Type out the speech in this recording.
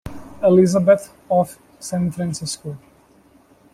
Elizabeth of San Francisco.